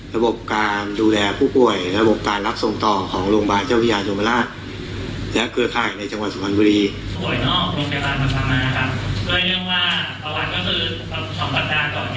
ระบบการดูแลผู้ป่วยระบบการรับทรงต่อของโรงบาลเจ้าพิยาจงบรรละและเครือค่ายในจังหวัดสุภัณฑ์บริษัท